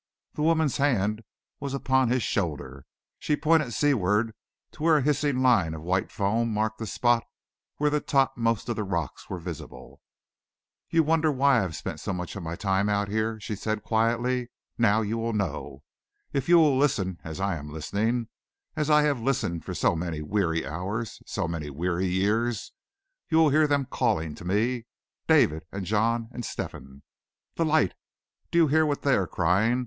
The woman's hand was upon his shoulder; she pointed seaward to where a hissing line of white foam marked the spot where the topmost of the rocks were visible. "You wondered why I have spent so much of my time out here," she said quietly. "Now you will know. If you listen as I am listening, as I have listened for so many weary hours, so many weary years, you will hear them calling to me, David and John and Stephen. 'The light!' Do you hear what they are crying?